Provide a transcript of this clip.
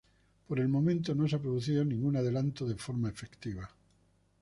Por el momento no se ha producido ningún adelanto de forma efectiva.